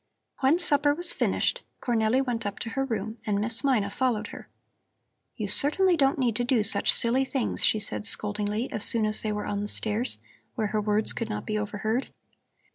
When supper was finished, Cornelli went up to her room, and Miss Mina followed her. "You certainly don't need to do such silly things," she said scoldingly, as soon as they were on the stairs, where her words could not be overheard.